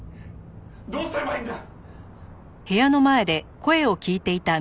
どうすればいいんだ！